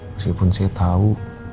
meskipun saya tahu